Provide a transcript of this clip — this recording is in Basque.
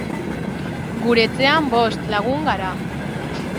Gure etxean bost lagun gara.